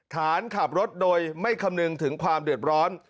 ขับรถโดยไม่คำนึงถึงความเดือดร้อน